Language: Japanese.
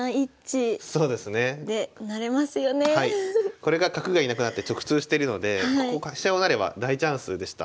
これが角が居なくなって直通してるので飛車を成れば大チャンスでした。